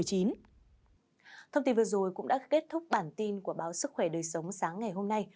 thông tin vừa rồi cũng đã kết thúc bản tin của báo sức khỏe đời sống sáng ngày hôm nay